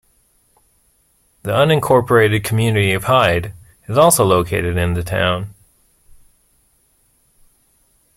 The unincorporated community of Hyde is also located in the town.